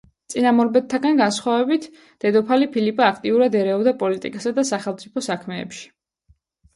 წინამორბედთაგან განსხვავებით, დედოფალი ფილიპა აქტიურად ერეოდა პოლიტიკასა და სახელმწიფო საქმეებში.